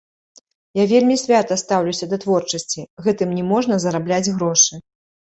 Я вельмі свята стаўлюся да творчасці, гэтым не можна зарабляць грошы.